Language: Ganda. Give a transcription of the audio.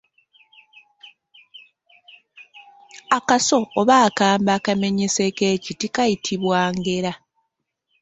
Akaso oba akambe akamenyeseeko ekiti kayitibwa ngera.